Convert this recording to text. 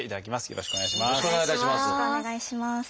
よろしくお願いします。